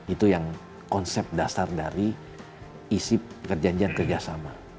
itu yang konsep dasar dari isi perjanjian kerjasama